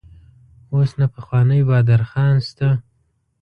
اوس نه پخوانی بادر خان شته.